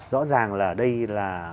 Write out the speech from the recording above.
rõ ràng là đây là